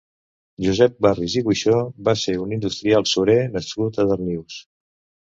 Josep Barris i Buixó va ser un industrial surer nascut a Darnius.